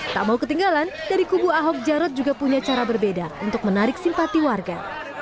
tak mau ketinggalan dari kubu ahok jarot juga punya cara berbeda untuk menarik simpati warga